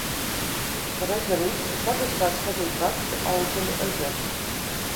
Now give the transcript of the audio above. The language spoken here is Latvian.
Par ezeru Istras pagastā skatīt rakstu Audzeļu ezers.